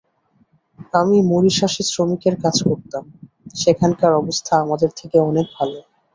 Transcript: আমি মরিশাসে শ্রমিকের কাজ করতাম, সেখানকার অবস্থা আমাদের থেকে অনেক ভালো।